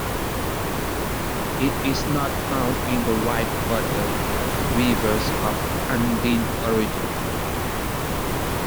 It is not found in the whitewater rivers of Andean origin.